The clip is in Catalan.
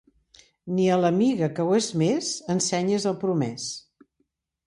Ni a l'amiga que ho és més, ensenyis el promès.